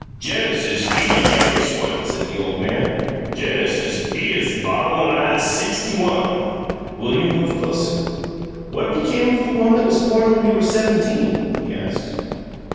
"Genesis he de youngis' one," said the old man. "Genesis he 'uz bawn when I 'uz sixty one." William moved closer. "What became of the one that was born when you were seventeen?" he asked.